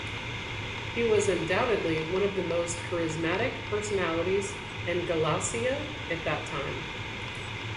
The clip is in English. He was undoubtedly one of the most charismatic personalities in Galicia at that time.